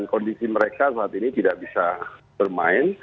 kondisi mereka saat ini tidak bisa bermain